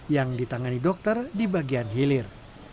yang ditangani dokter di bagian hilir